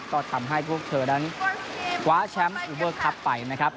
ก็ทำให้พวกเธอนั้นคว้าแชมป์อูเบอร์คลับไปนะครับ